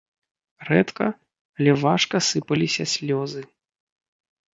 Рэдка, але важка сыпаліся слёзы.